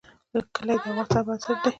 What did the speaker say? کلي د افغانستان بنسټ دی